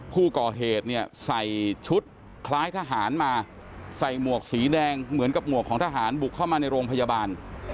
ผู้ก่อเหตุเนี่ยใส่ชุดคล้ายทหารมาใส่หมวกสีแดงเหมือนกับหมวกของทหารบุกเข้ามาในโรงพยาบาล